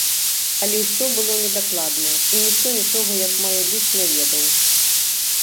Але ўсё было недакладна, і ніхто нічога як мае быць не ведаў.